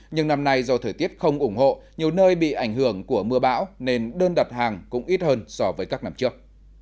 nhưng năm nay do thời tiết không ủng hộ nhiều nơi bị ảnh hưởng của mưa bão nên đơn đặt hàng cũng ít hơn so với các năm trước